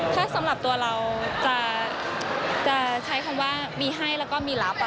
ถ้าสำหรับตัวเราจะใช้คำว่ามีให้แล้วก็มีรับ